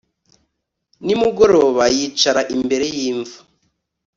nimugoroba yicara imbere y'imva